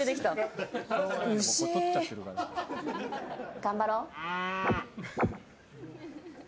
頑張ろう。